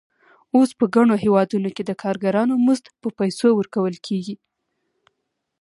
اوس په ګڼو هېوادونو کې د کارګرانو مزد په پیسو ورکول کېږي